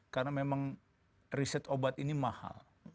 karena memang riset obat ini mahal